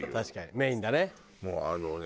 メインだね。